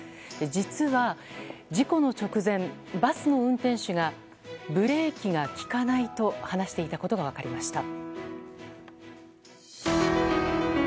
実は事故の直前、バスの運転手がブレーキが利かないと話していたことが分かりました。